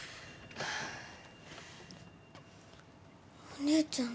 お姉ちゃん。